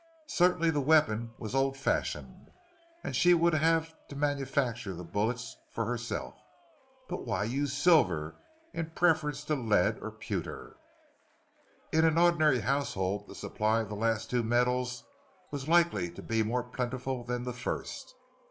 Certainly the weapon was old fashioned and she would have to manufacture the bullets for herself. But why use silver in preference to lead, or pewter? In an ordinary household the supply of the last two metals was likely to be more plentiful than the first.